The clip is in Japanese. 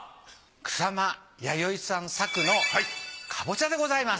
草間彌生さん作のかぼちゃでございます。